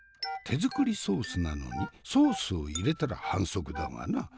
手作りソースなのにソースを入れたら反則だわな。